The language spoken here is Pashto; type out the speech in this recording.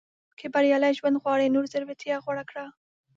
• که بریالی ژوند غواړې، نو زړورتیا غوره کړه.